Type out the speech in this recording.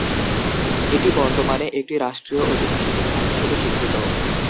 এটি বর্তমানে একটি রাষ্ট্রীয় ঐতিহাসিক স্থান হিসেবে স্বীকৃত।